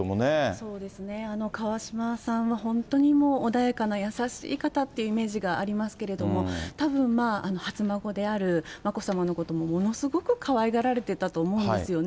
そうですね、川嶋さんは本当に穏やかな優しい方っていうイメージがありますけれども、たぶん初孫である眞子さまのこともものすごくかわいがられてたと思うんですよね。